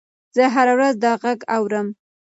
زه هره ورځ دا غږ اورم.